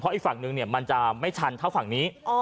เพราะอีกฝั่งนึงมันจะไม่ชันข้างนี้